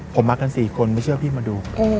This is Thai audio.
ผมมากัน๔คนไม่เชื่อพี่มาดู